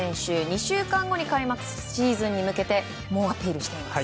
２週間後に開幕するシーズンに向けて猛アピールしています。